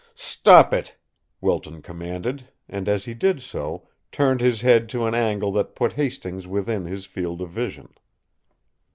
Stop it!" Wilton commanded, and, as he did so, turned his head to an angle that put Hastings within his field of vision.